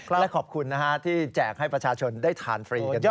และขอบคุณนะฮะที่แจกให้ประชาชนได้ทานฟรีกันด้วย